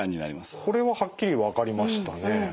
これははっきり分かりましたね。